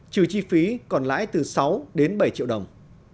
trừ chi phí còn lãi từ sáu đến bảy triệu đồng